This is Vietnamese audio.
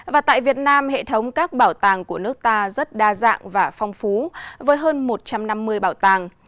và tại việt nam hệ thống các bảo tàng của nước ta rất đa dạng và phong phú với hơn một trăm năm mươi bảo tàng